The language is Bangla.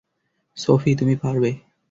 সোফি, তুমি পারবে।